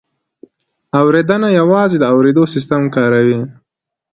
اورېدنه یوازې د اورېدو سیستم کاروي